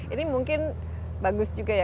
ini mungkin bagus juga ya